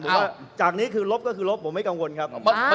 แต่ว่าจากนี้คือลบก็คือลบผมไม่กังวลครับ